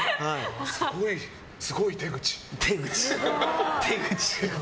すごい手口！